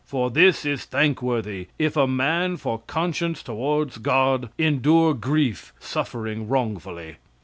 "For this is thankworthy, if a man for conscience toward God endure grief, suffering wrongfully."